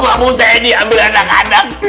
kamu saya diambil anak anak